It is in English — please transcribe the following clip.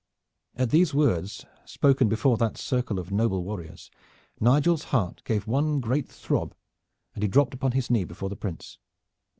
At these words spoken before that circle of noble warriors Nigel's heart gave one great throb, and he dropped upon his knee before the Prince.